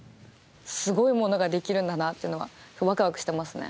すごいものができるんだなっていうのはワクワクしてますね。